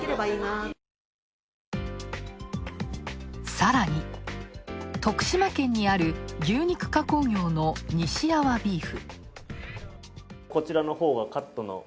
さらに、徳島県にある牛肉加工業のにし阿波ビーフ。